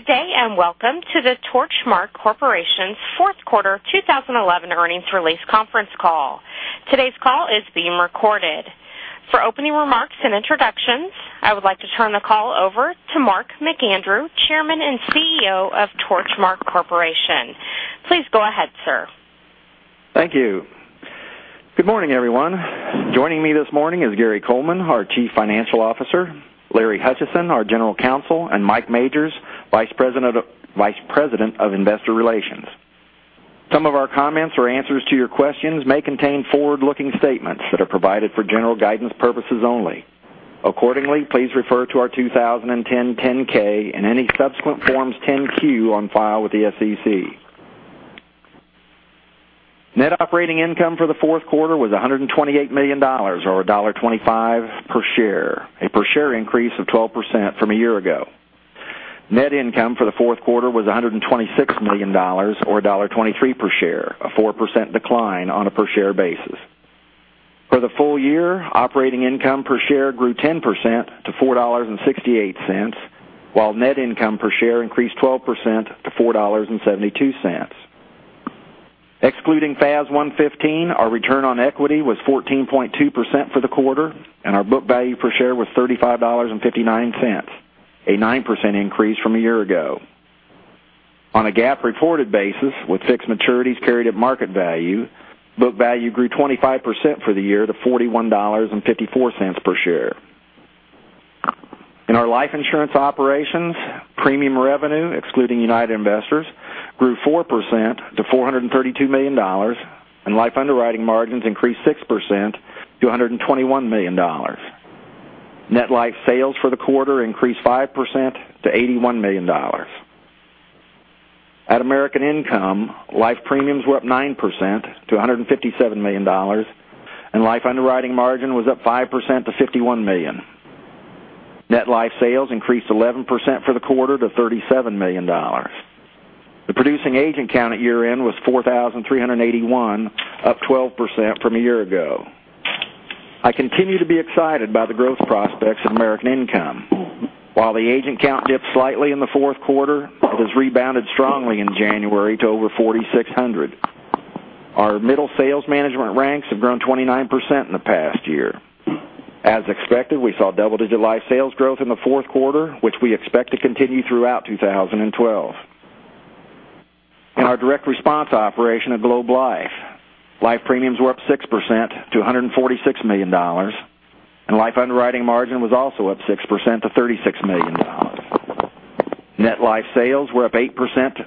Good day, welcome to the Torchmark Corporation's fourth quarter 2011 earnings release conference call. Today's call is being recorded. For opening remarks and introductions, I would like to turn the call over to Mark McAndrew, Chairman and CEO of Torchmark Corporation. Please go ahead, sir. Thank you. Good morning, everyone. Joining me this morning is Gary Coleman, our Chief Financial Officer, Larry Hutchison, our General Counsel, and Mike Majors, Vice President of Investor Relations. Some of our comments or answers to your questions may contain forward-looking statements that are provided for general guidance purposes only. Accordingly, please refer to our 2010 10-K and any subsequent Forms 10-Q on file with the SEC. Net operating income for the fourth quarter was $128 million, or $1.25 per share, a per share increase of 12% from a year ago. Net income for the fourth quarter was $126 million, or $1.23 per share, a 4% decline on a per share basis. For the full year, operating income per share grew 10% to $4.68, while net income per share increased 12% to $4.72. Excluding FAS 115, our return on equity was 14.2% for the quarter, and our book value per share was $35.59, a 9% increase from a year ago. On a GAAP reported basis, with fixed maturities carried at market value, book value grew 25% for the year to $41.54 per share. In our life insurance operations, premium revenue, excluding United Investors, grew 4% to $432 million, and life underwriting margins increased 6% to $121 million. Net life sales for the quarter increased 5% to $81 million. At American Income, life premiums were up 9% to $157 million, and life underwriting margin was up 5% to $51 million. Net life sales increased 11% for the quarter to $37 million. The producing agent count at year-end was 4,381, up 12% from a year ago. I continue to be excited by the growth prospects of American Income. While the agent count dipped slightly in the fourth quarter, it has rebounded strongly in January to over 4,600. Our middle sales management ranks have grown 29% in the past year. As expected, we saw double-digit life sales growth in the fourth quarter, which we expect to continue throughout 2012. In our Direct Response operation at Globe Life, life premiums were up 6% to $146 million, and life underwriting margin was also up 6% to $36 million. Net life sales were up 8%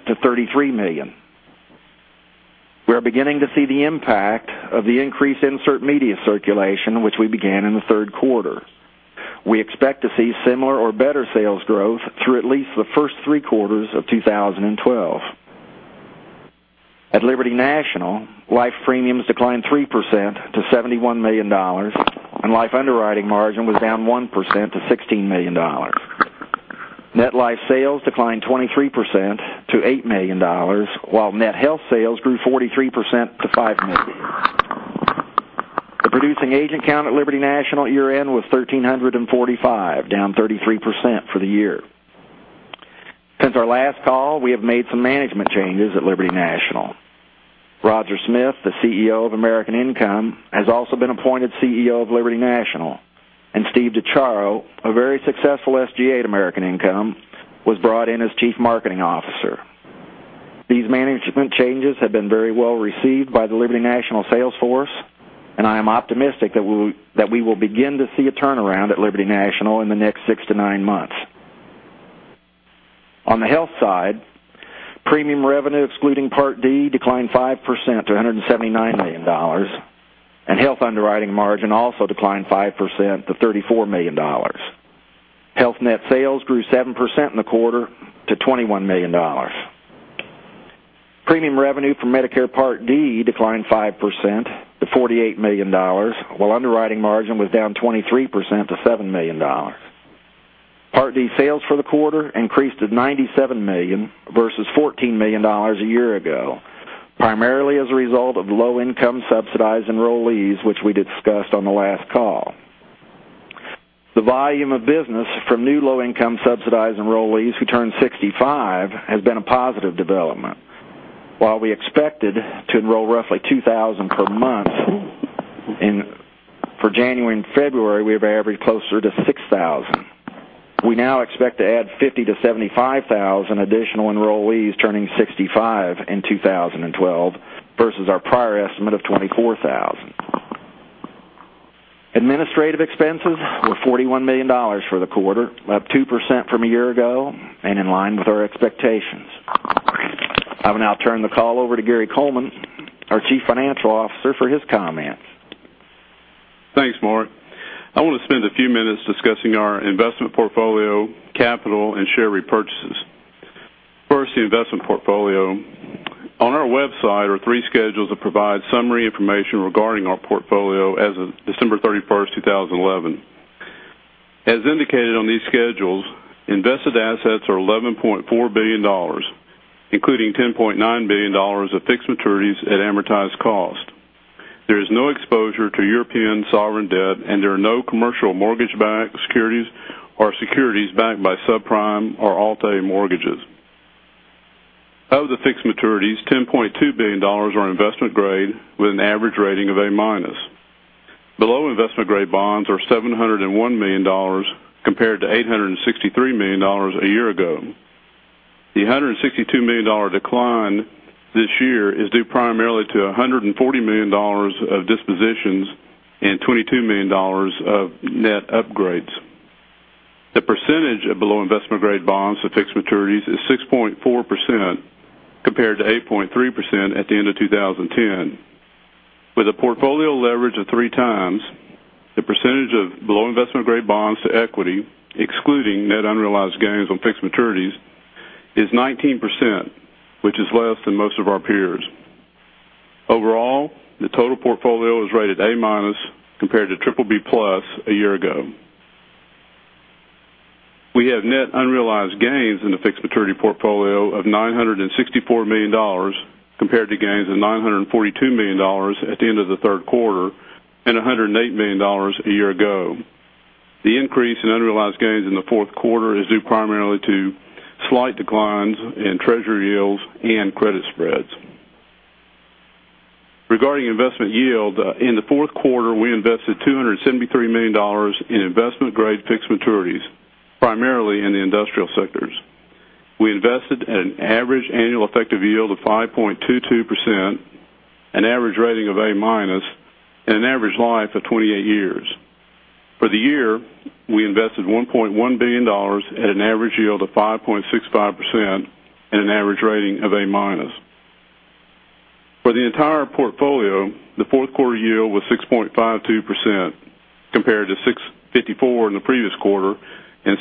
to $33 million. We are beginning to see the impact of the increased insert media circulation, which we began in the third quarter. We expect to see similar or better sales growth through at least the first three quarters of 2012. At Liberty National, life premiums declined 3% to $71 million, and life underwriting margin was down 1% to $16 million. Net life sales declined 23% to $8 million, while net health sales grew 43% to $5 million. The producing agent count at Liberty National year-end was 1,345, down 33% for the year. Since our last call, we have made some management changes at Liberty National. Roger Smith, the CEO of American Income, has also been appointed CEO of Liberty National, and Steve DiChiaro, a very successful SGA at American Income, was brought in as Chief Marketing Officer. These management changes have been very well received by the Liberty National sales force. I am optimistic that we will begin to see a turnaround at Liberty National in the next six to nine months. On the health side, premium revenue, excluding Part D, declined 5% to $179 million. Health underwriting margin also declined 5% to $34 million. Health net sales grew 7% in the quarter to $21 million. Premium revenue for Medicare Part D declined 5% to $48 million, while underwriting margin was down 23% to $7 million. Part D sales for the quarter increased to $97 million versus $14 million a year ago, primarily as a result of low-income subsidized enrollees, which we discussed on the last call. The volume of business from new low-income subsidized enrollees who turn 65 has been a positive development. While we expected to enroll roughly 2,000 per month, for January and February, we have averaged closer to 6,000. We now expect to add 50,000 to 75,000 additional enrollees turning 65 in 2012 versus our prior estimate of 24,000. Administrative expenses were $41 million for the quarter, up 2% from a year ago and in line with our expectations. I will now turn the call over to Gary Coleman, our Chief Financial Officer, for his comments. Thanks, Mark. I want to spend a few minutes discussing our investment portfolio, capital, and share repurchases. First, the investment portfolio. On our website are three schedules that provide summary information regarding our portfolio as of December 31st, 2011. As indicated on these schedules, invested assets are $11.4 billion, including $10.9 billion of fixed maturities at amortized cost. There is no exposure to European sovereign debt. There are no commercial mortgage-backed securities or securities backed by subprime or alt-A mortgages. Of the fixed maturities, $10.2 billion are investment grade with an average rating of A-. Below investment-grade bonds are $701 million compared to $863 million a year ago. The $162 million decline this year is due primarily to $140 million of dispositions and $22 million of net upgrades. The percentage of below investment-grade bonds to fixed maturities is 6.4%, compared to 8.3% at the end of 2010. With a portfolio leverage of 3x, the percentage of below investment-grade bonds to equity, excluding net unrealized gains on fixed maturities, is 19%, which is less than most of our peers. Overall, the total portfolio is rated A- compared to BBB-plus a year ago. We have net unrealized gains in the fixed maturity portfolio of $964 million compared to gains of $942 million at the end of the third quarter and $108 million a year ago. The increase in unrealized gains in the fourth quarter is due primarily to slight declines in Treasury yields and credit spreads. Regarding investment yield, in the fourth quarter, we invested $273 million in investment-grade fixed maturities, primarily in the industrial sectors. We invested at an average annual effective yield of 5.22%, an average rating of A-, an average life of 28 years. For the year, we invested $1.1 billion at an average yield of 5.65% and an average rating of A-. For the entire portfolio, the fourth quarter yield was 6.52% compared to 6.54% in the previous quarter and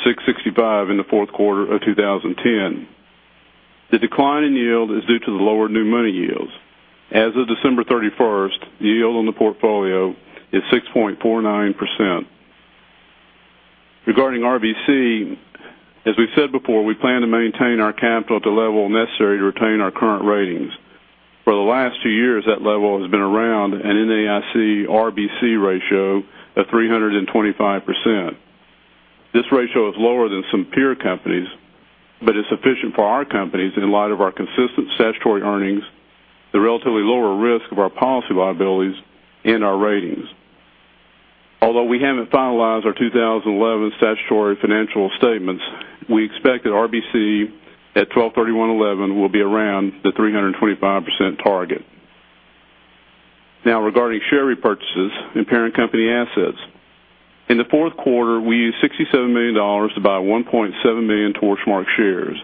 6.65% in the fourth quarter of 2010. The decline in yield is due to the lower new money yields. As of December 31st, the yield on the portfolio is 6.49%. Regarding RBC, as we've said before, we plan to maintain our capital at the level necessary to retain our current ratings. For the last two years, that level has been around an NAIC RBC ratio of 325%. This ratio is lower than some peer companies, but is sufficient for our companies in light of our consistent statutory earnings, the relatively lower risk of our policy liabilities, and our ratings. Although we haven't finalized our 2011 statutory financial statements, we expect that RBC at 12/31/2011 will be around the 325% target. Regarding share repurchases in parent company assets. In the fourth quarter, we used $67 million to buy 1.7 million Torchmark shares.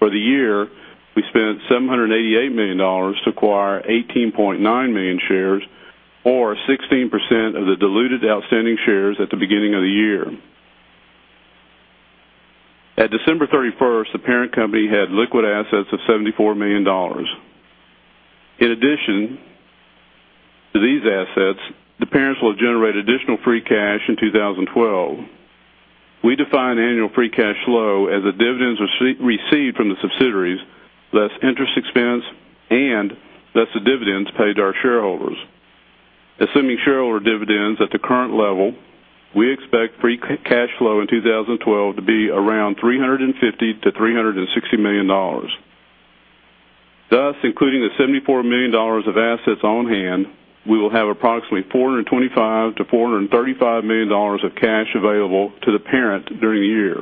For the year, we spent $788 million to acquire 18.9 million shares or 16% of the diluted outstanding shares at the beginning of the year. At December 31st, the parent company had liquid assets of $74 million. In addition to these assets, the parents will generate additional free cash in 2012. We define annual free cash flow as the dividends received from the subsidiaries, less interest expense and thus the dividends paid to our shareholders. Assuming shareholder dividends at the current level, we expect free cash flow in 2012 to be around $350 million to $360 million. Including the $74 million of assets on hand, we will have approximately $425 million to $435 million of cash available to the parent during the year.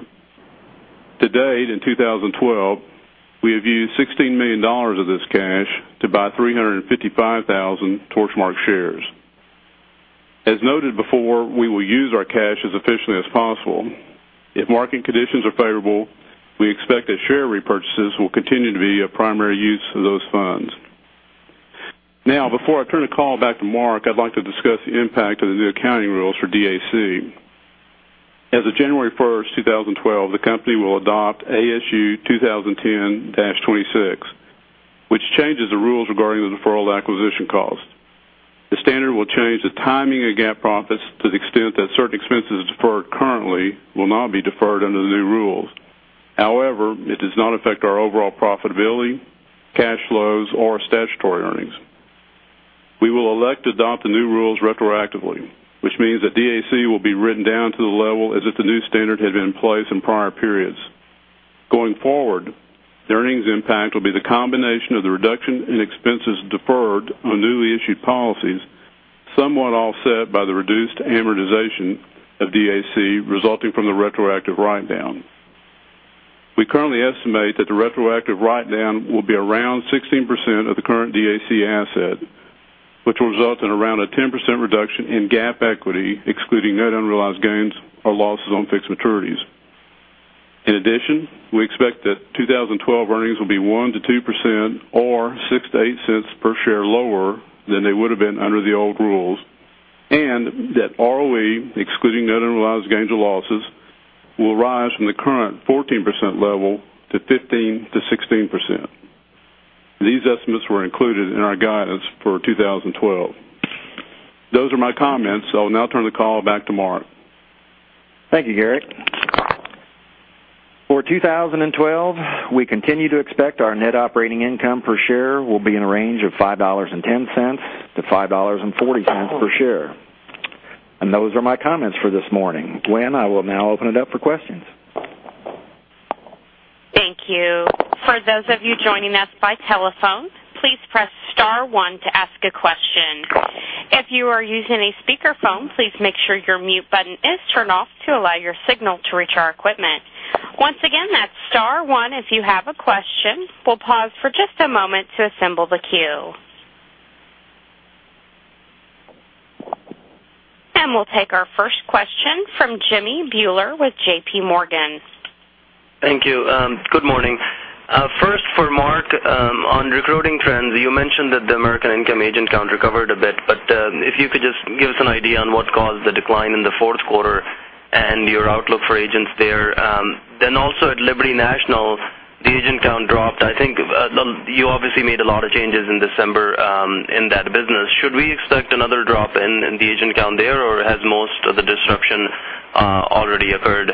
To date, in 2012, we have used $16 million of this cash to buy 355,000 Torchmark shares. As noted before, we will use our cash as efficiently as possible. If market conditions are favorable, we expect that share repurchases will continue to be a primary use of those funds. Before I turn the call back to Mark, I'd like to discuss the impact of the new accounting rules for DAC. As of January 1st, 2012, the company will adopt ASU 2010-26, which changes the rules regarding the deferral of acquisition costs. The standard will change the timing of GAAP profits to the extent that certain expenses deferred currently will now be deferred under the new rules. It does not affect our overall profitability, cash flows, or statutory earnings. We will elect to adopt the new rules retroactively, which means that DAC will be written down to the level as if the new standard had been in place in prior periods. Going forward, the earnings impact will be the combination of the reduction in expenses deferred on newly issued policies, somewhat offset by the reduced amortization of DAC resulting from the retroactive write-down. We currently estimate that the retroactive write-down will be around 16% of the current DAC asset, which will result in around a 10% reduction in GAAP equity, excluding net unrealized gains or losses on fixed maturities. In addition, we expect that 2012 earnings will be 1%-2% or $0.06-$0.08 per share lower than they would have been under the old rules, and that ROE, excluding net unrealized gains or losses, will rise from the current 14% level to 15%-16%. These estimates were included in our guidance for 2012. Those are my comments. I will now turn the call back to Mark. Thank you, Gary. For 2012, we continue to expect our net operating income per share will be in a range of $5.10-$5.40 per share. Those are my comments for this morning. Gwen, I will now open it up for questions. Thank you. For those of you joining us by telephone, please press star one to ask a question. If you are using a speakerphone, please make sure your mute button is turned off to allow your signal to reach our equipment. Once again, that's star one if you have a question. We'll pause for just a moment to assemble the queue. We'll take our first question from Jimmy Bhullar with JPMorgan. Thank you. Good morning. First, for Mark, on recruiting trends, you mentioned that the American Income agent count recovered a bit. If you could just give us an idea on what caused the decline in the fourth quarter and your outlook for agents there. Also at Liberty National, the agent count dropped. I think you obviously made a lot of changes in December in that business. Should we expect another drop in the agent count there, or has most of the disruption already occurred?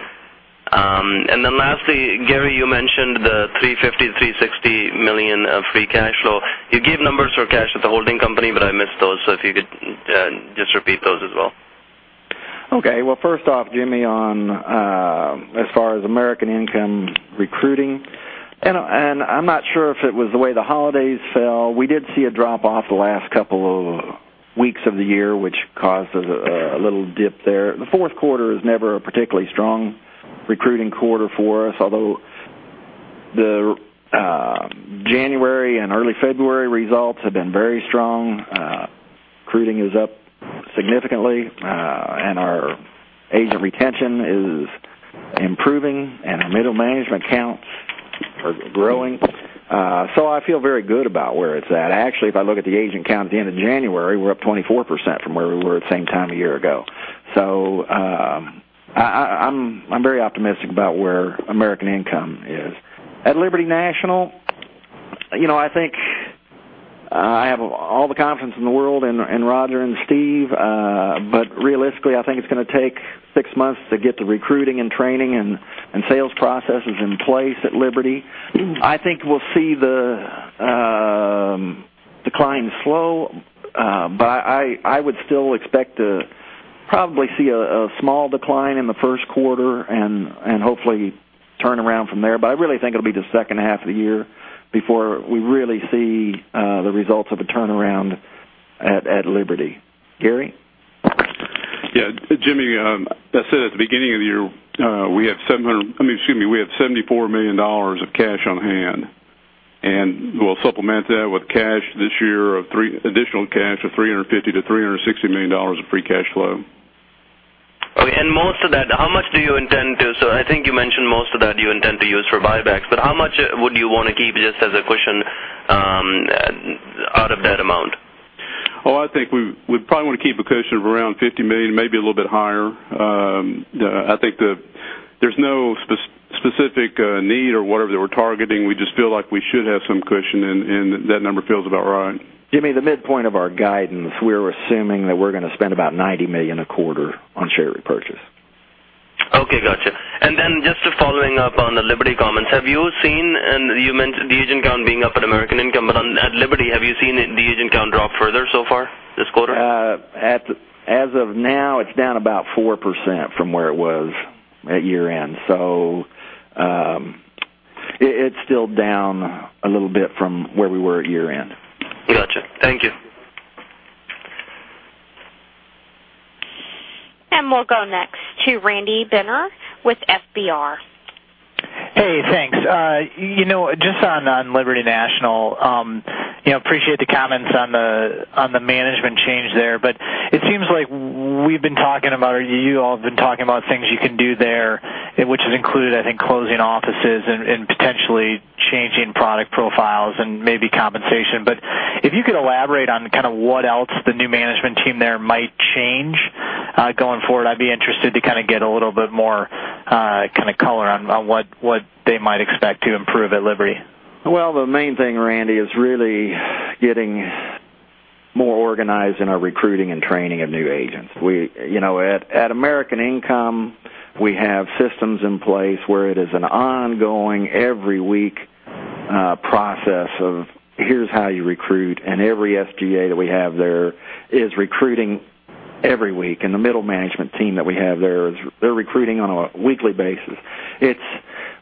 Lastly, Gary, you mentioned the $350 million-$360 million of free cash flow. You gave numbers for cash at the holding company, but I missed those. If you could just repeat those as well. Okay. Well, first off, Jimmy, as far as American Income recruiting, I'm not sure if it was the way the holidays fell. We did see a drop-off the last couple of weeks of the year, which caused a little dip there. The fourth quarter is never a particularly strong recruiting quarter for us, although the January and early February results have been very strong. Recruiting is up significantly. Our agent retention is improving, and our middle management counts are growing. I feel very good about where it's at. Actually, if I look at the agent count at the end of January, we're up 24% from where we were at the same time a year ago. I'm very optimistic about where American Income is. At Liberty National, I think I have all the confidence in the world in Roger and Steve. Realistically, I think it's going to take six months to get the recruiting and training and sales processes in place at Liberty. I think we'll see the decline slow, but I would still expect to probably see a small decline in the first quarter and hopefully turn around from there. I really think it'll be the second half of the year before we really see the results of a turnaround at Liberty. Gary? Yeah. Jimmy, as I said at the beginning of the year, we have $74 million of cash on hand. We'll supplement that with additional cash of $350 million-$360 million of free cash flow. Okay. Most of that, I think you mentioned most of that you intend to use for buybacks, how much would you want to keep just as a cushion out of that amount? I think we probably want to keep a cushion of around $50 million, maybe a little bit higher. I think that there's no specific need or whatever that we're targeting. We just feel like we should have some cushion, that number feels about right. Jimmy, the midpoint of our guidance, we're assuming that we're going to spend about $90 million a quarter on share repurchase. Okay. Got you. Then just following up on the Liberty comments, have you seen, you mentioned the agent count being up at American Income, at Liberty, have you seen the agent count drop further so far this quarter? As of now, it's down about 4% from where it was at year-end. It's still down a little bit from where we were at year-end. Got you. Thank you. We'll go next to Randy Binner with FBR. Hey, thanks. Just on Liberty National, appreciate the comments on the management change there. It seems like we've been talking about, or you all have been talking about things you can do there, which has included, I think, closing offices and potentially changing product profiles and maybe compensation. If you could elaborate on kind of what else the new management team there might change going forward, I'd be interested to kind of get a little bit more kind of color on what they might expect to improve at Liberty. The main thing, Randy, is really getting more organized in our recruiting and training of new agents. At American Income, we have systems in place where it is an ongoing, every week process of here's how you recruit, and every SGA that we have there is recruiting every week, and the middle management team that we have there, they're recruiting on a weekly basis.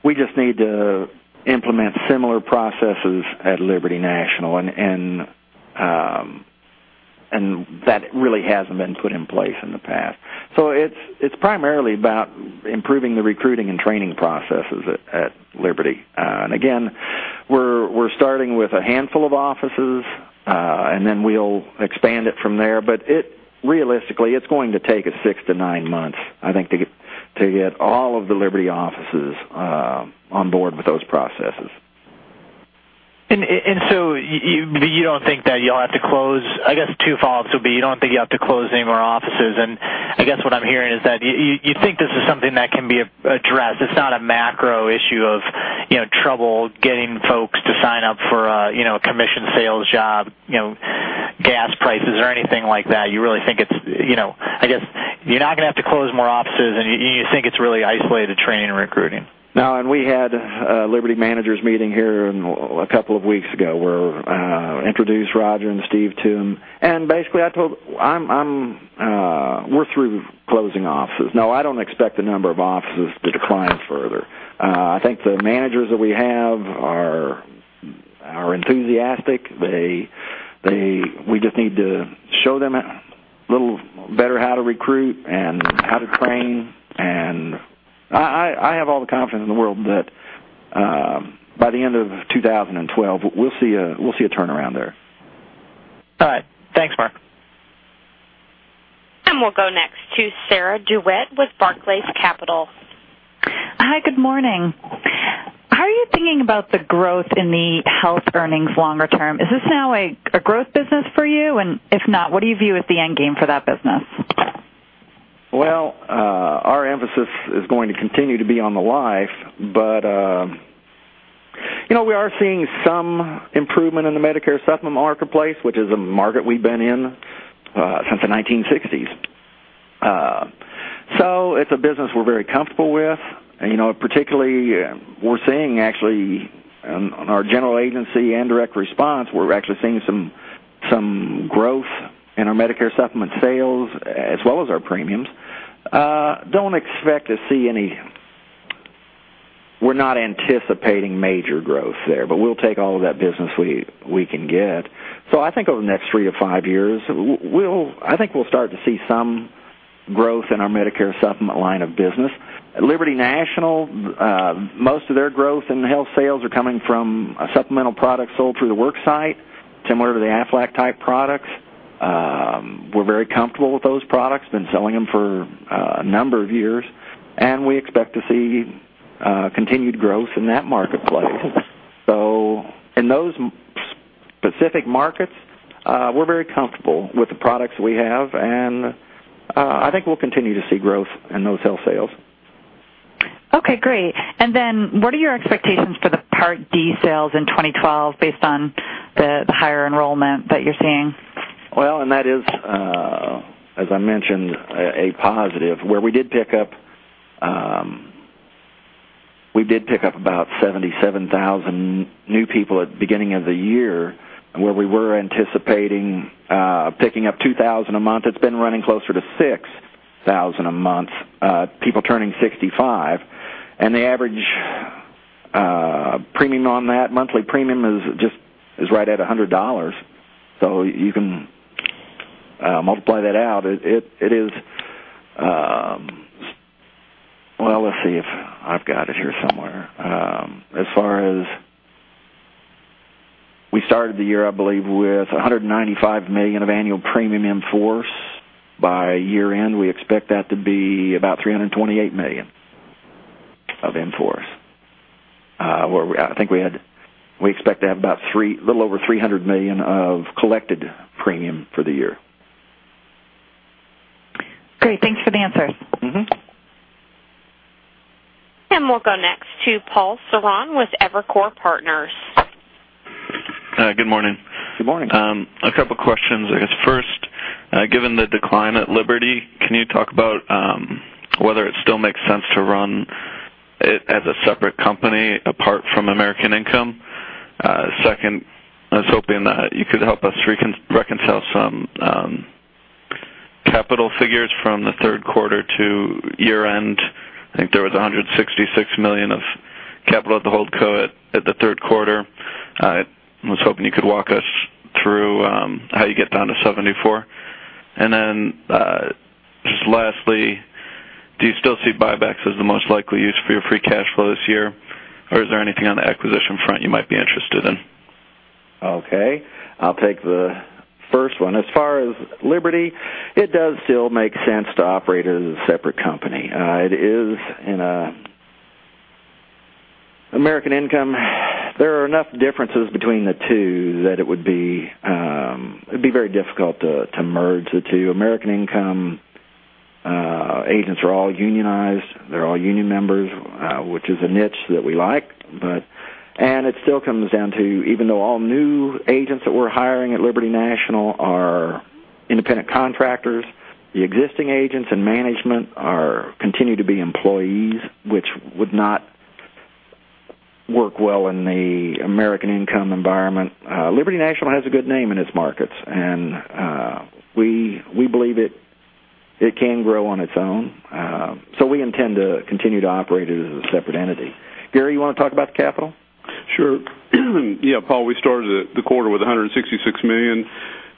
We just need to implement similar processes at Liberty National, that really hasn't been put in place in the past. It's primarily about improving the recruiting and training processes at Liberty. Again, we're starting with a handful of offices, then we'll expand it from there. Realistically, it's going to take us six to nine months, I think, to get all of the Liberty offices on board with those processes. You don't think that you'll have to close, I guess two follow-ups would be, you don't think you'll have to close any more offices. I guess what I'm hearing is that you think this is something that can be addressed. It's not a macro issue of trouble getting- Like that, you really think I guess you're not going to have to close more offices, and you think it's really isolated training and recruiting. No, we had a Liberty managers meeting here a couple of weeks ago, where I introduced Roger and Steve to them, basically, I told them we're through closing offices. No, I don't expect the number of offices to decline further. I think the managers that we have are enthusiastic. We just need to show them a little better how to recruit and how to train, and I have all the confidence in the world that by the end of 2012, we'll see a turnaround there. All right. Thanks, Mark. We'll go next to Sarah DeWitt with Barclays Capital. Hi, good morning. How are you thinking about the growth in the health earnings longer term? Is this now a growth business for you? If not, what do you view as the end game for that business? Well, our emphasis is going to continue to be on the life, but we are seeing some improvement in the Medicare Supplement marketplace, which is a market we've been in since the 1960s. It's a business we're very comfortable with. Particularly, we're seeing actually, on our general agency and Direct Response, we're actually seeing some growth in our Medicare Supplement sales, as well as our premiums. We're not anticipating major growth there, but we'll take all of that business we can get. I think over the next three to five years, I think we'll start to see some growth in our Medicare Supplement line of business. Liberty National, most of their growth in the health sales are coming from a supplemental product sold through the work site, similar to the Aflac type products. We're very comfortable with those products, been selling them for a number of years, and we expect to see continued growth in that marketplace. In those specific markets, we're very comfortable with the products we have, and I think we'll continue to see growth in those health sales. Okay, great. What are your expectations for the Part D sales in 2012 based on the higher enrollment that you're seeing? Well, as I mentioned, that is a positive, where we did pick up about 77,000 new people at the beginning of the year, where we were anticipating picking up 2,000 a month. It's been running closer to 6,000 a month, people turning 65. The average premium on that monthly premium is right at $100. You can multiply that out. Well, let's see if I've got it here somewhere. As far as we started the year, I believe, with $195 million of annual premium in force. By year-end, we expect that to be about $328 million of in force, where I think we expect to have a little over $300 million of collected premium for the year. Great. Thanks for the answers. We'll go next to Paul Sarran with Evercore Partners. Good morning. Good morning. A couple of questions. I guess first, given the decline at Liberty, can you talk about whether it still makes sense to run it as a separate company apart from American Income? Second, I was hoping that you could help us reconcile some capital figures from the third quarter to year-end. I think there was $166 million of capital at the hold co at the third quarter. I was hoping you could walk us through how you get down to $74. Then, just lastly, do you still see buybacks as the most likely use for your free cash flow this year, or is there anything on the acquisition front you might be interested in? Okay. I'll take the first one. As far as Liberty, it does still make sense to operate it as a separate company. American Income, there are enough differences between the two that it'd be very difficult to merge the two. American Income agents are all unionized. They're all union members, which is a niche that we like. It still comes down to, even though all new agents that we're hiring at Liberty National are independent contractors, the existing agents and management continue to be employees, which would not work well in the American Income environment. Liberty National has a good name in its markets, and we believe it can grow on its own. We intend to continue to operate it as a separate entity. Gary, you want to talk about the capital? Sure. Yeah, Paul, we started the quarter with $166 million.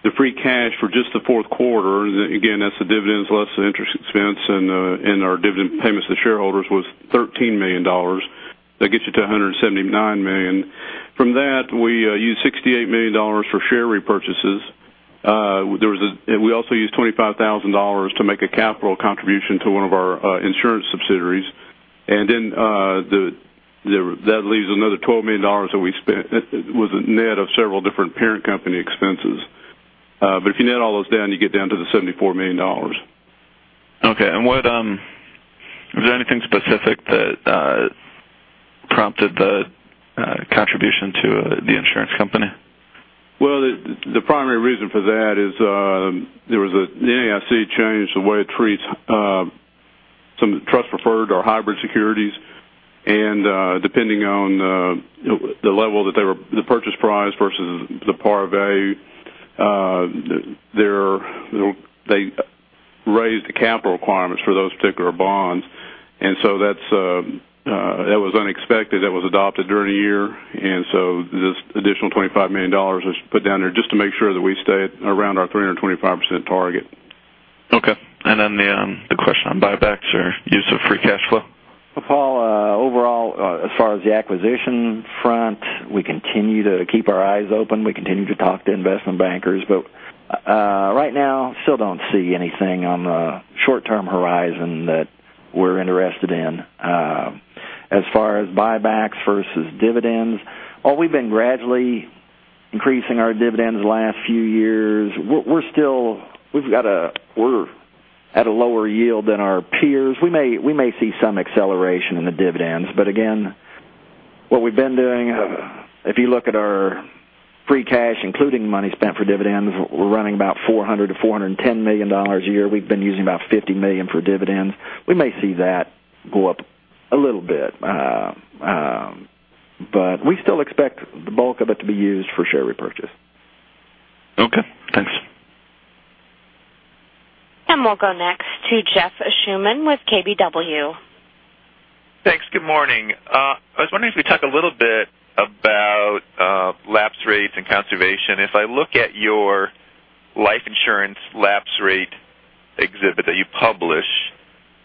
The free cash for just the fourth quarter, again, that's the dividends less the interest expense and our dividend payments to shareholders was $13 million. That gets you to $179 million. From that, we used $68 million for share repurchases. We also used $25,000 to make a capital contribution to one of our insurance subsidiaries. That leaves another $12 million that we spent. It was a net of several different parent company expenses. If you net all those down, you get down to the $74 million. Okay. Was there anything specific that prompted the contribution to the insurance company? The primary reason for that is the NAIC changed the way it treats some trust-preferred or hybrid securities, and depending on the purchase price versus the par value, they raised the capital requirements for those particular bonds. That was unexpected. That was adopted during the year. This additional $25 million was put down there just to make sure that we stay at around our 325% target. Okay. Then the question on buybacks or use of free cash flow. Well, Paul, overall, as far as the acquisition front, we continue to keep our eyes open. We continue to talk to investment bankers, right now, still don't see anything on the short-term horizon that we're interested in. As far as buybacks versus dividends, well, we've been gradually increasing our dividends the last few years. We're at a lower yield than our peers. We may see some acceleration in the dividends. Again, what we've been doing, if you look at our free cash, including money spent for dividends, we're running about $400 million-$410 million a year. We've been using about $50 million for dividends. We may see that go up a little bit. We still expect the bulk of it to be used for share repurchase. Okay, thanks. We'll go next to Jeff Schuman with KBW. Thanks. Good morning. I was wondering if you could talk a little bit about lapse rates and conservation. If I look at your life insurance lapse rate exhibit that you publish,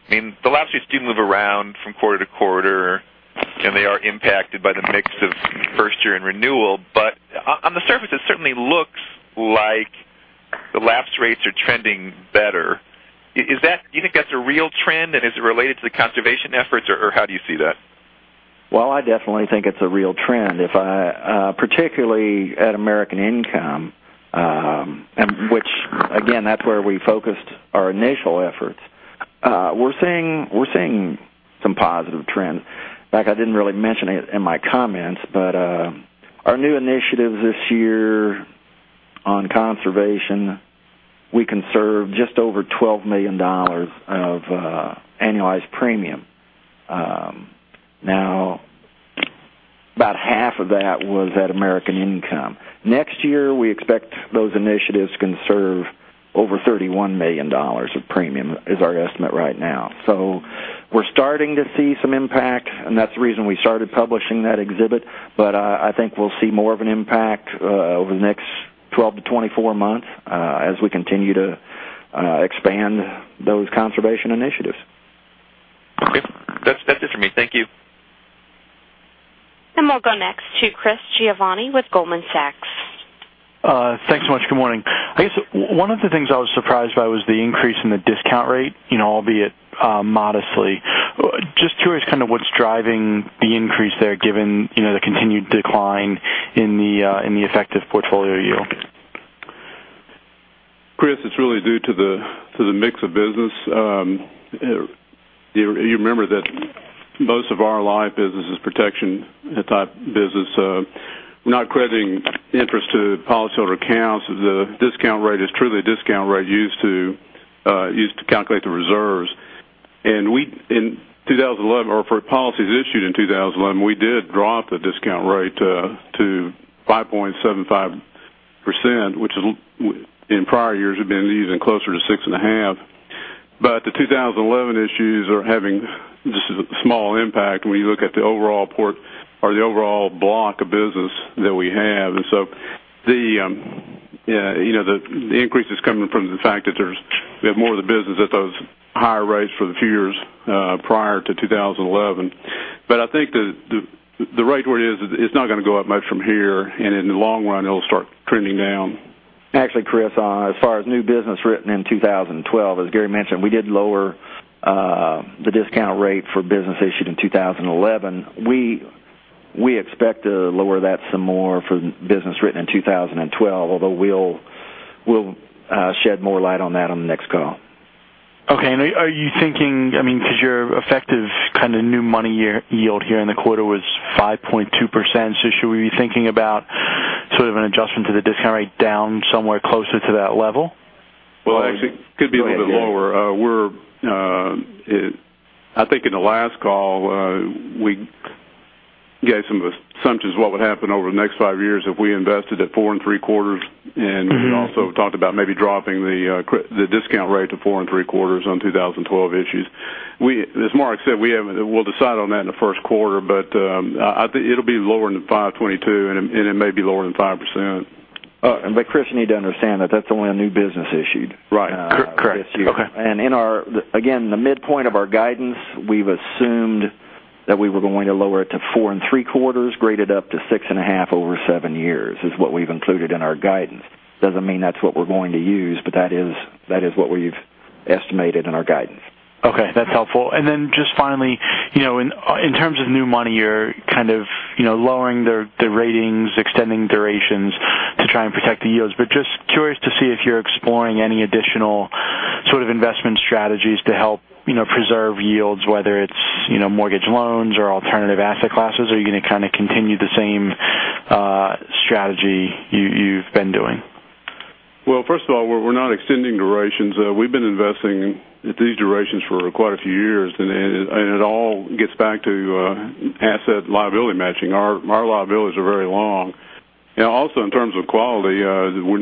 the lapse rates do move around from quarter to quarter, and they are impacted by the mix of first year in renewal. On the surface, it certainly looks like the lapse rates are trending better. Do you think that's a real trend, and is it related to the conservation efforts, or how do you see that? Well, I definitely think it's a real trend. Particularly at American Income, which again, that's where we focused our initial efforts. We're seeing some positive trends. In fact, I didn't really mention it in my comments, but our new initiatives this year on conservation, we conserved just over $12 million of annualized premium. Now, about half of that was at American Income. Next year, we expect those initiatives to conserve over $31 million of premium, is our estimate right now. We're starting to see some impact, and that's the reason we started publishing that exhibit. I think we'll see more of an impact over the next 12-24 months as we continue to expand those conservation initiatives. Okay. That's it for me. Thank you. We'll go next to Chris Giovanni with Goldman Sachs. Thanks so much. Good morning. I guess one of the things I was surprised by was the increase in the discount rate, albeit modestly. Just curious what's driving the increase there given the continued decline in the effective portfolio yield. Chris, it's really due to the mix of business. You remember that most of our life business is protection type business. We're not crediting interest to policyholder accounts. The discount rate is truly a discount rate used to calculate the reserves. For policies issued in 2011, we did drop the discount rate to 5.75%, which in prior years had been even closer to six and a half. The 2011 issues are having just a small impact when you look at the overall block of business that we have. The increase is coming from the fact that we have more of the business at those higher rates for the few years prior to 2011. I think the rate where it is, it's not going to go up much from here, and in the long run, it'll start trending down. Actually, Chris, as far as new business written in 2012, as Gary mentioned, we did lower the discount rate for business issued in 2011. We expect to lower that some more for business written in 2012, although we'll shed more light on that on the next call. Okay. Your effective new money yield here in the quarter was 5.2%, should we be thinking about an adjustment to the discount rate down somewhere closer to that level? Well, actually, could be a little bit lower. I think in the last call, we gave some assumptions what would happen over the next five years if we invested at four and three quarters, and we also talked about maybe dropping the discount rate to four and three quarters on 2012 issues. As Mark McAndrew said, we'll decide on that in the first quarter, but I think it'll be lower than 522, and it may be lower than 5%. Chris Giovanni, you need to understand that that's only on new business issued. Right. Correct. Okay. Again, the midpoint of our guidance, we've assumed that we were going to lower it to four and three quarters, grade it up to six and a half over seven years, is what we've included in our guidance. Doesn't mean that's what we're going to use, that is what we've estimated in our guidance. Okay, that's helpful. Just finally, in terms of new money, you're lowering the ratings, extending durations to try and protect the yields. Just curious to see if you're exploring any additional sort of investment strategies to help preserve yields, whether it's mortgage loans or alternative asset classes? Are you going to continue the same strategy you've been doing? First of all, we're not extending durations. We've been investing at these durations for quite a few years, and it all gets back to asset liability matching. Our liabilities are very long. In terms of quality,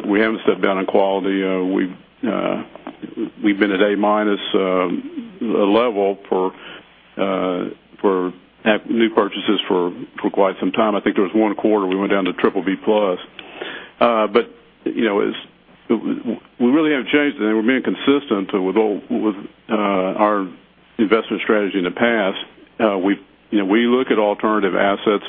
we haven't stepped down in quality. We've been at A- level for new purchases for quite some time. I think there was one quarter we went down to BBB+. We really haven't changed, and we're being consistent with our investment strategy in the past. We look at alternative assets,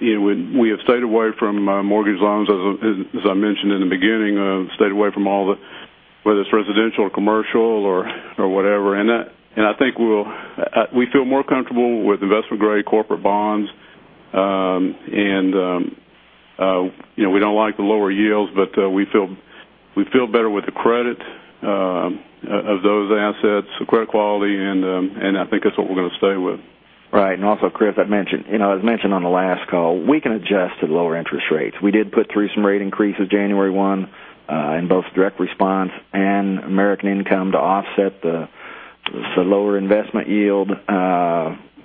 we have stayed away from mortgage loans, as I mentioned in the beginning. Stayed away from whether it's residential or commercial or whatever. I think we feel more comfortable with investment-grade corporate bonds. We don't like the lower yields, but we feel better with the credit of those assets, the credit quality, and I think that's what we're going to stay with. Right. Chris, as mentioned on the last call, we can adjust to the lower interest rates. We did put through some rate increases January 1 in both Direct Response and American Income to offset the lower investment yield.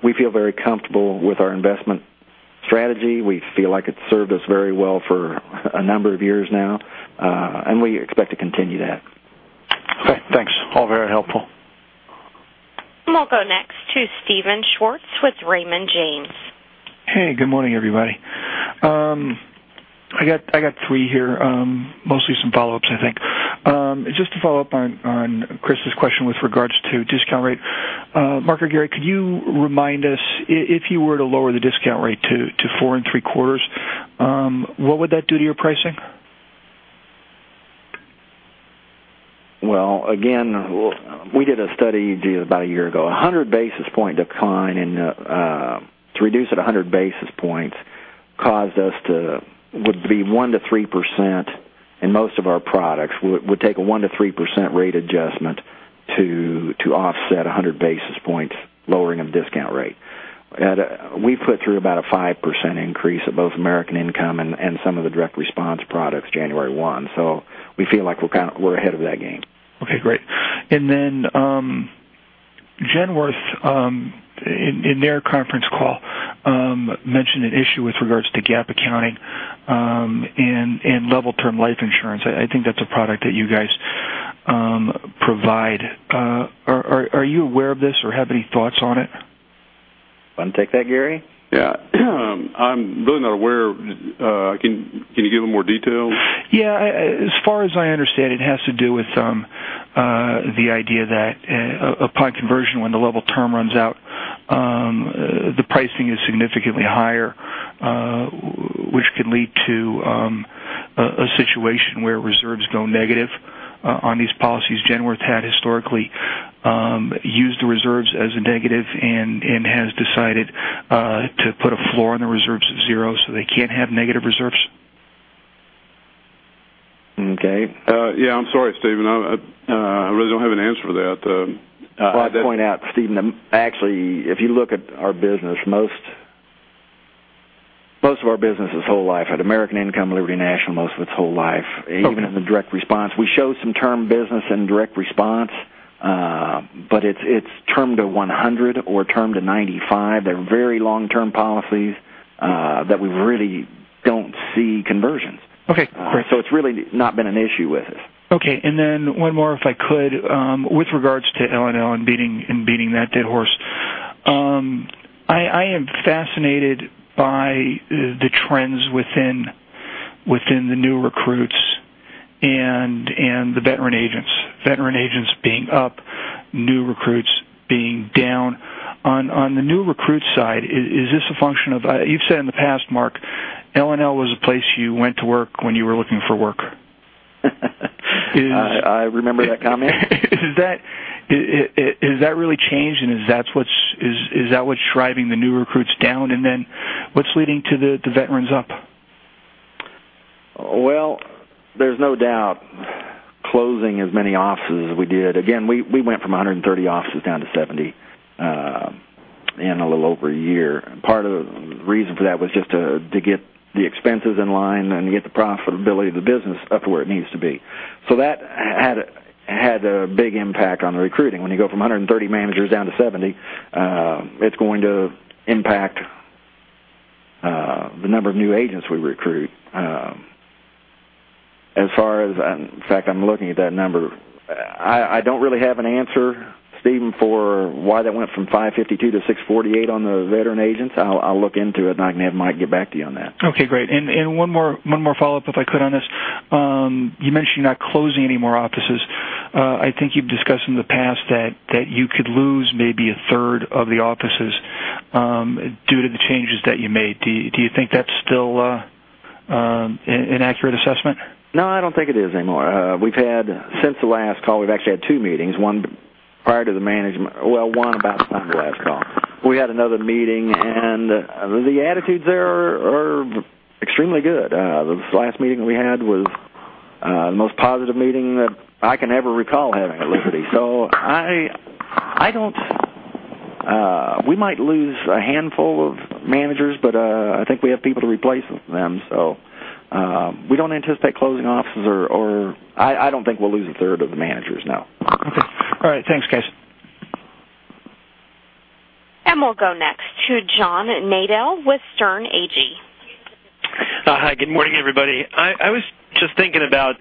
We feel very comfortable with our investment strategy. We feel like it's served us very well for a number of years now. We expect to continue that. Okay, thanks. All very helpful. We'll go next to Steven Schwartz with Raymond James. Hey, good morning, everybody. I got three here. Mostly some follow-ups, I think. Just to follow up on Chris's question with regards to discount rate. Mark or Gary, could you remind us, if you were to lower the discount rate to four and three quarters, what would that do to your pricing? Well, again, we did a study about a year ago. To reduce it 100 basis points would be 1%-3% in most of our products. Would take a 1%-3% rate adjustment to offset 100 basis points lowering of discount rate. We put through about a 5% increase at both American Income and some of the Direct Response products January 1. We feel like we're ahead of that game. Okay, great. Genworth, in their conference call, mentioned an issue with regards to GAAP accounting and level term life insurance. I think that's a product that you guys provide. Are you aware of this or have any thoughts on it? Want to take that, Gary? Yeah. I'm really not aware. Can you give a little more detail? Yeah. As far as I understand, it has to do with the idea that upon conversion, when the level term runs out, the pricing is significantly higher, which can lead to a situation where reserves go negative on these policies. Genworth had historically used the reserves as a negative and has decided to put a floor on the reserves at zero, so they can't have negative reserves. Okay. Yeah, I'm sorry, Steven. I really don't have an answer for that. I'll point out, Steven, actually, if you look at our business, most of our business is whole life at American Income, Liberty National, most of it's whole life. Okay. Even in the Direct Response. We show some term business in Direct Response, but it's term to 100 or term to 95. They're very long-term policies that we really don't see conversions. Okay, great. It's really not been an issue with us. Okay. One more, if I could. With regards to L&L and beating that dead horse. I am fascinated by the trends within the new recruits and the veteran agents. Veteran agents being up, new recruits being down. On the new recruit side, is this a function of, you've said in the past, Mark, L&L was a place you went to work when you were looking for work. I remember that comment. Has that really changed, and is that what's driving the new recruits down? What's leading to the veterans up? Well, there's no doubt closing as many offices as we did. Again, we went from 130 offices down to 70 in a little over a year. Part of the reason for that was just to get the expenses in line and to get the profitability of the business up to where it needs to be. That had a big impact on the recruiting. When you go from 130 managers down to 70, it's going to impact the number of new agents we recruit. In fact, I'm looking at that number. I don't really have an answer, Steven, for why that went from 552 to 648 on the veteran agents. I'll look into it, and I can have Mike get back to you on that. Okay, great. One more follow-up, if I could, on this. You mentioned you're not closing any more offices. I think you've discussed in the past that you could lose maybe a third of the offices due to the changes that you made. Do you think that's still an accurate assessment? No, I don't think it is anymore. Since the last call, we've actually had two meetings. One prior to the management, well, one about the last call. We had another meeting, and the attitudes there are extremely good. The last meeting we had was the most positive meeting that I can ever recall having at Liberty. We might lose a handful of managers, but I think we have people to replace them, so we don't anticipate closing offices or I don't think we'll lose a third of the managers, no. Okay. All right. Thanks, guys. We'll go next to John Nadel with Sterne Agee. Hi. Good morning, everybody. I was just thinking about,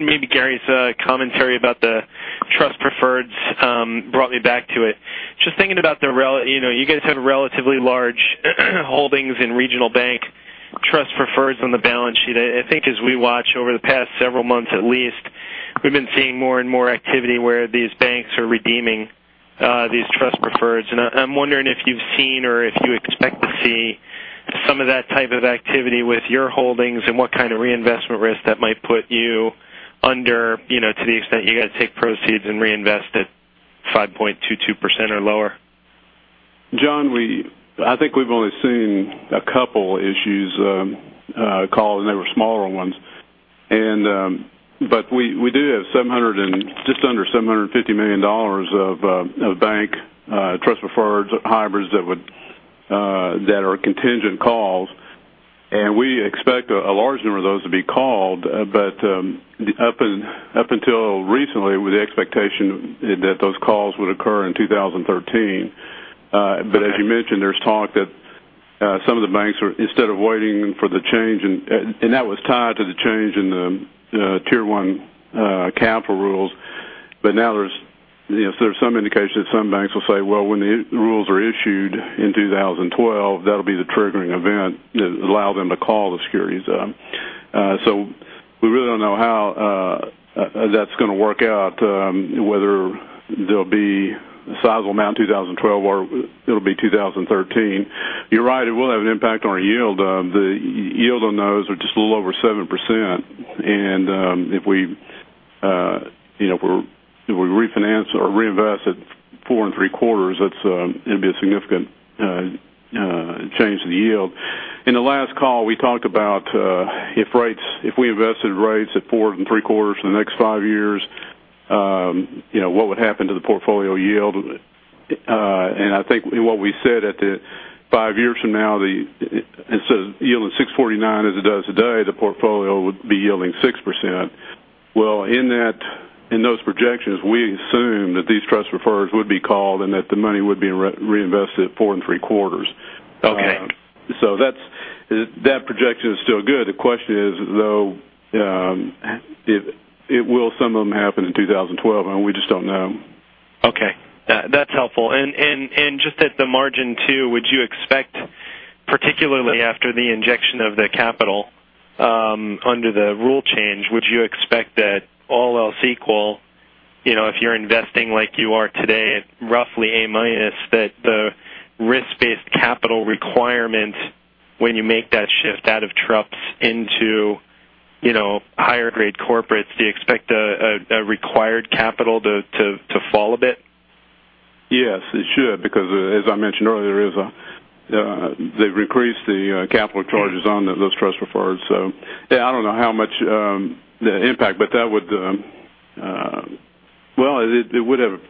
maybe Gary's commentary about the trust-preferreds brought me back to it. Just thinking about, you guys have relatively large holdings in regional bank trust-preferreds on the balance sheet. I think as we watch over the past several months at least, we've been seeing more and more activity where these banks are redeeming these trust-preferreds. I'm wondering if you've seen or if you expect to see some of that type of activity with your holdings and what kind of reinvestment risk that might put you under to the extent you got to take proceeds and reinvest at 5.22% or lower. John, I think we've only seen a couple issues called, they were smaller ones. We do have just under $750 million of bank trust-preferred hybrids that are contingent calls, we expect a large number of those to be called. Up until recently, with the expectation that those calls would occur in 2013. As you mentioned, there's talk that some of the banks are, instead of waiting for the change, that was tied to the change in the Tier 1 capital rules. Now there's some indication that some banks will say, well, when the rules are issued in 2012, that'll be the triggering event that allow them to call the securities. We really don't know how that's going to work out, whether they'll be a sizable amount in 2012, or it'll be 2013. You're right, it will have an impact on our yield. The yield on those are just a little over 7%. If we refinance or reinvest at four and three quarters, it'd be a significant change to the yield. In the last call, we talked about if we invested rates at four and three quarters for the next five years, what would happen to the portfolio yield? I think what we said at the five years from now, instead of yielding 6.49% as it does today, the portfolio would be yielding 6%. Well, in those projections, we assumed that these trust-preferreds would be called and that the money would be reinvested at four and three quarters. Okay. That projection is still good. The question is, though, will some of them happen in 2012? We just don't know. Okay. That's helpful. Just at the margin too, would you expect, particularly after the injection of the capital under the rule change, would you expect that all else equal, if you're investing like you are today at roughly A-, that the risk-based capital requirement when you make that shift out of trust into higher grade corporates, do you expect a required capital to fall a bit? Yes, it should, because as I mentioned earlier, they've increased the capital charges on those trust-preferreds. I don't know how much the impact, but it would have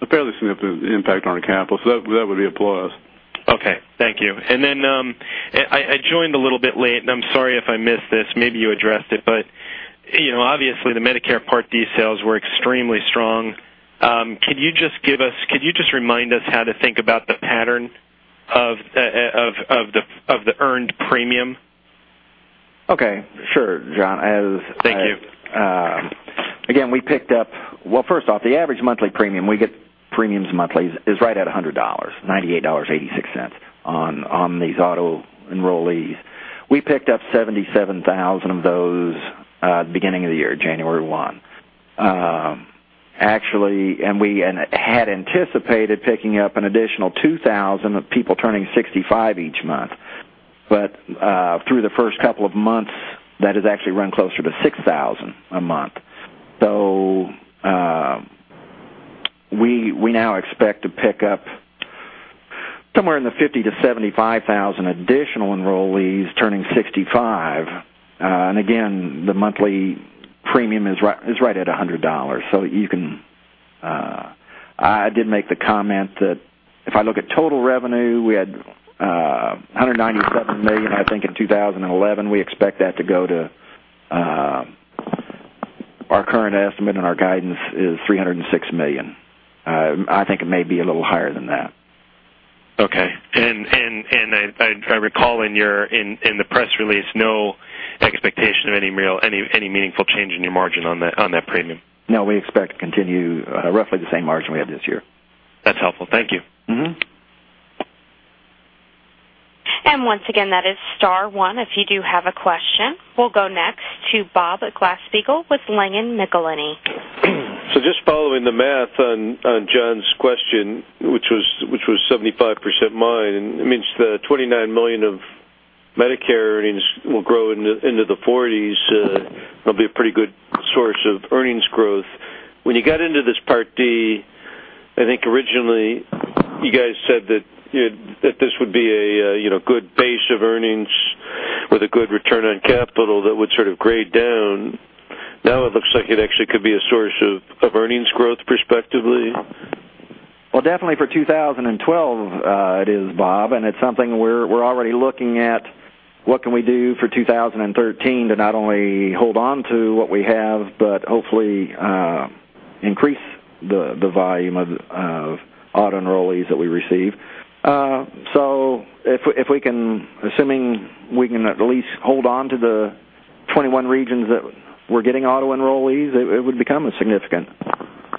a fairly significant impact on our capital. That would be a plus. Okay. Thank you. Then I joined a little bit late, and I'm sorry if I missed this. Maybe you addressed it, but obviously the Medicare Part D sales were extremely strong. Could you just remind us how to think about the pattern of the earned premium? Okay. Sure, John. Thank you. Well, first off, the average monthly premium we get premiums monthly is right at $100, $98.86 on these auto enrollees. We picked up 77,000 of those at the beginning of the year, January 1. Actually, we had anticipated picking up an additional 2,000 of people turning 65 each month. Through the first couple of months, that has actually run closer to 6,000 a month. We now expect to pick up somewhere in the 50,000-75,000 additional enrollees turning 65. Again, the monthly premium is right at $100. I did make the comment that if I look at total revenue, we had $197 million, I think, in 2011. We expect that to go to our current estimate, and our guidance is $306 million. I think it may be a little higher than that. Okay. I recall in the press release, no expectation of any meaningful change in your margin on that premium. No, we expect to continue roughly the same margin we have this year. That's helpful. Thank you. Once again, that is star one if you do have a question. We'll go next to Bob Glasspiegel with Langen McAlenney. Just following the math on John's 75%. It means the $29 million of Medicare earnings will grow into the 40s. That'll be a pretty good source of earnings growth. When you got into this Part D, I think originally you guys said that this would be a good base of earnings with a good return on capital that would grade down. Now it looks like it actually could be a source of earnings growth prospectively. Well, definitely for 2012 it is, Bob, it's something we're already looking at. What can we do for 2013 to not only hold on to what we have, but hopefully increase the volume of auto enrollees that we receive? Assuming we can at least hold on to the 21 regions that we're getting auto enrollees, it would become a significant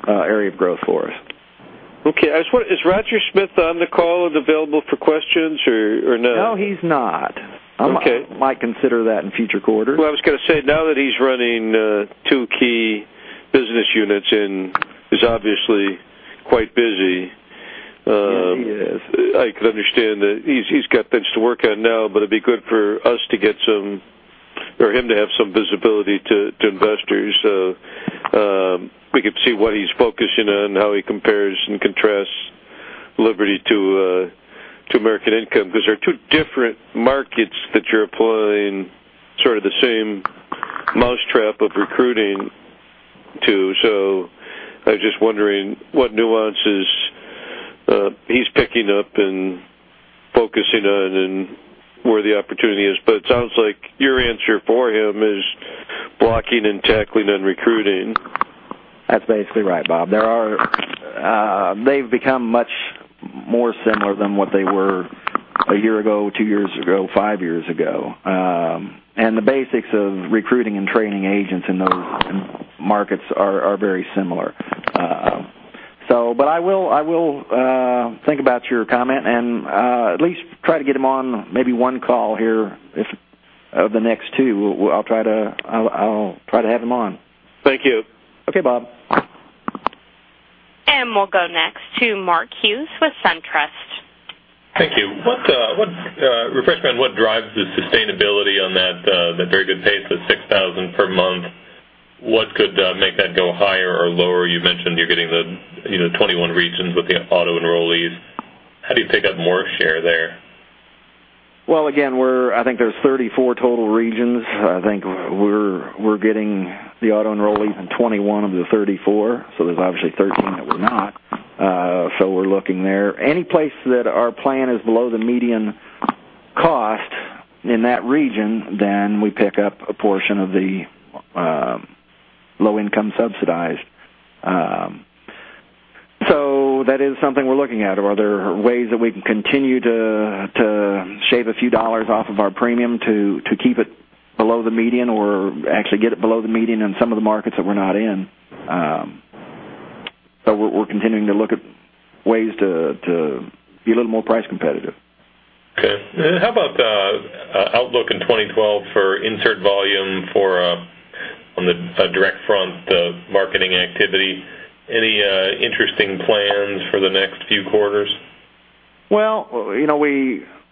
area of growth for us. Okay. Is Roger Smith on the call available for questions or no? No, he's not. Okay. I might consider that in future quarters. Well, I was going to say, now that he's running two key business units in, he's obviously quite busy. Yes, he is. I could understand that he's got things to work on now, but it'd be good for him to have some visibility to investors, so we could see what he's focusing on, how he compares and contrasts Liberty to American Income, because they're two different markets that you're employing sort of the same mousetrap of recruiting to. I was just wondering what nuances he's picking up and focusing on and where the opportunity is. It sounds like your answer for him is blocking and tackling and recruiting. That's basically right, Bob. They've become much more similar than what they were a year ago, two years ago, five years ago. The basics of recruiting and training agents in those markets are very similar. I will think about your comment and at least try to get him on maybe one call here of the next two. I'll try to have him on. Thank you. Okay, Bob. We'll go next to Mark Hughes with SunTrust. Thank you. A refresher on what drives the sustainability on that very good pace of 6,000 per month. What could make that go higher or lower? You mentioned you're getting the 21 regions with the auto enrollees. How do you pick up more share there? I think there are 34 total regions. I think we are getting the auto enrollees in 21 of the 34, so there is obviously 13 that we are not. We are looking there. Any place that our plan is below the median cost in that region, we pick up a portion of the low-income subsidized. That is something we are looking at. Are there ways that we can continue to shave a few dollars off of our premium to keep it below the median or actually get it below the median in some of the markets that we are not in? We are continuing to look at ways to be a little more price competitive. How about outlook in 2012 for insert volume from the Direct Response marketing activity? Any interesting plans for the next few quarters?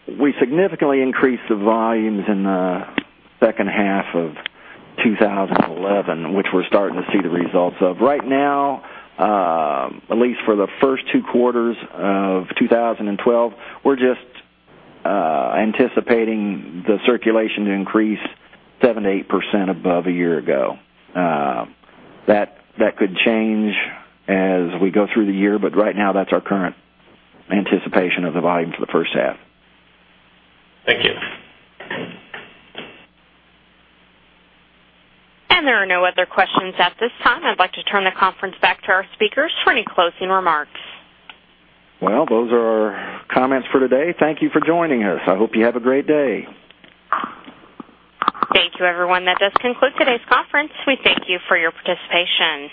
We significantly increased the volumes in the second half of 2011, which we are starting to see the results of. Right now, at least for the first two quarters of 2012, we are just anticipating the circulation to increase 7%-8% above a year ago. That could change as we go through the year, but right now, that is our current anticipation of the volume for the first half. Thank you. There are no other questions at this time. I'd like to turn the conference back to our speakers for any closing remarks. Well, those are our comments for today. Thank you for joining us. I hope you have a great day. Thank you, everyone. That does conclude today's conference. We thank you for your participation.